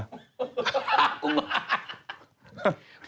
ฮักกูมา